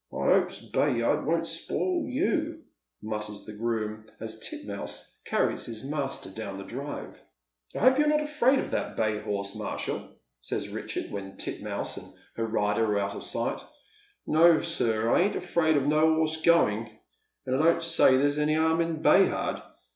" I hopes Bay hard won't sp iil you," mutters the groom, as Titmouse carries his master dow»i the drive. " I hope you're not afiaid of that bay horse, Marshall," says Eicliard, when Titmouse and b*f rider are out of sight " No, sir, I ain't afraid of no 'oss going, and I don't say there's any 'arm in Bay hard.